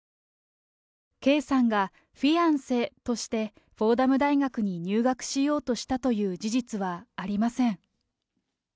圭さんがフィアンセとして、フォーダム大学に入学しようとしたという事実はありません。